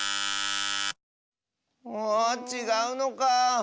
あちがうのか。